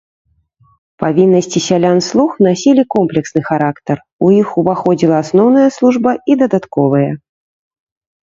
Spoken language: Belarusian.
Павіннасці сялян-слуг насілі комплексны характар, у іх уваходзіла асноўная служба і дадатковыя.